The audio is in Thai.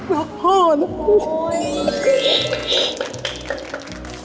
รักพ่อนะ